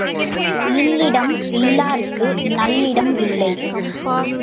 இல்லிடம் இல்லார்க்கு நல்லிடம் இல்லை.